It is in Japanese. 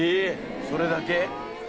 それだけ？